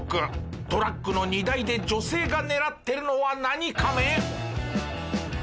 トラックの荷台で女性が狙っているのは何カメ？